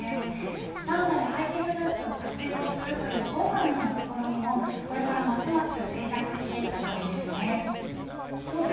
サウナで廃棄フルーツを活用するという今回のような試みもこれからますます定着していくといいですね。